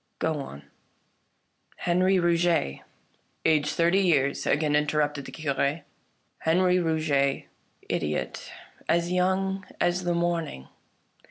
Go on." " Henri Rouget "" Aged thirty years," again interrupted the Cure. " Henri Rouget, idiot ; as young as the morning.